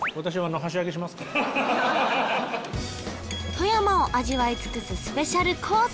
富山を味わい尽くすスペシャルコース